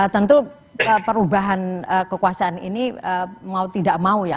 tentu perubahan kekuasaan ini mau tidak mau ya